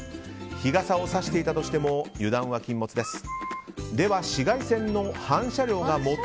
日傘をさしていたとしても油断は禁物です。